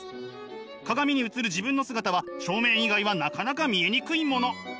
鏡に映る自分の姿は正面以外はなかなか見えにくいもの！